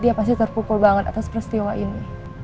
dia pasti terpukul banget atas peristiwa ini